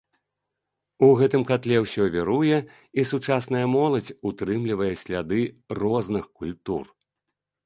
У гэтым катле ўсё віруе, і сучасная моладзь утрымлівае сляды розных культур.